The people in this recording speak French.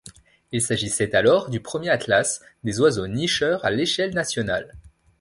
Il s'agissait alors du premier atlas des oiseaux nicheurs à l'échelle nationale.